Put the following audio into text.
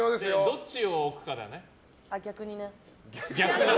どっちを置くかだね。